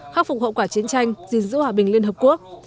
khắc phục hậu quả chiến tranh gìn giữ hòa bình liên hợp quốc